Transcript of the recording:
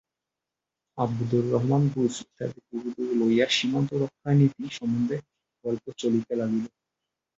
আবদর রহমান, রুস, ইংরেজ প্রভৃতিকে লইয়া সীমান্তরক্ষানীতি সম্বন্ধে গল্প চলিতে লাগিল।